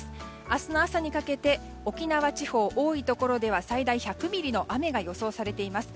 明日の朝にかけて沖縄地方、多いところでは最大１００ミリの雨が予想されています。